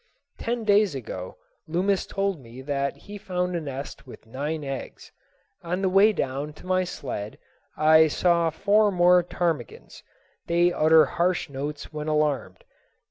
Ten days ago Loomis told me that he found a nest with nine eggs. On the way down to my sled I saw four more ptarmigans. They utter harsh notes when alarmed.